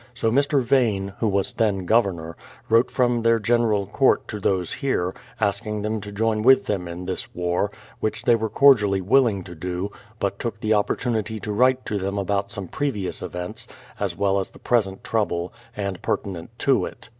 So Mr. Vane, who was then Governor, wrote from their General Court to those here, asking them to join with them in this war, which they were cordially will ing to do, but took the opportunity to write to them about some previous events, as well as the present trouble, and pertinent to it.